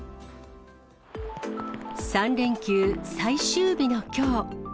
３連休最終日のきょう。